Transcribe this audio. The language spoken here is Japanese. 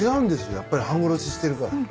やっぱり半殺ししてるから。